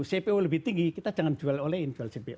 cpo lebih tinggi kita jangan jual olain